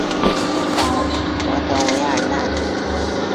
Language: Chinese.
圣保罗德韦尔讷。